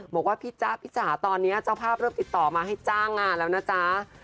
บอกว่าพี่จ๊ะพี่จ๋าตอนนี้เจ้าภาพเริ่มติดต่อมาให้จ้างงานแล้วนะจ๊ะ